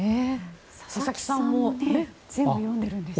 佐々木さんも全部読んでるんですよね。